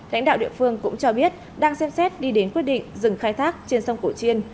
lãnh đạo địa phương cũng cho biết đang xem xét đi đến quyết định dừng khai thác trên sông cổ chiên